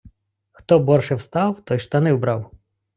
хто борше встав, той штани вбрав